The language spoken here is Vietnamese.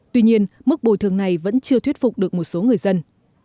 tuy nhiên mức bồi thường này vẫn chưa thuyết phục được một số người dân